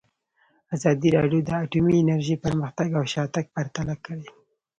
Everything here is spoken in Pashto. ازادي راډیو د اټومي انرژي پرمختګ او شاتګ پرتله کړی.